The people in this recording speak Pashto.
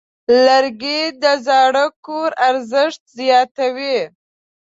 لرګی د زاړه کور ارزښت زیاتوي.